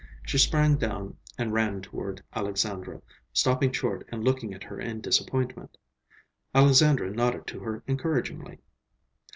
She sprang down and ran toward Alexandra, stopping short and looking at her in disappointment. Alexandra nodded to her encouragingly.